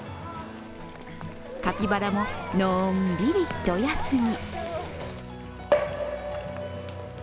カピバラも、のんびり一休み。